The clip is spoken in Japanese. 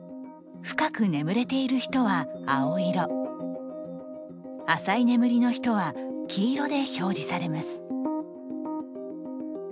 深く眠れている人は青色浅い眠りの人は黄色で表示されます。